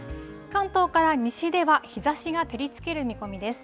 関東から西では日ざしが照りつける見込みです。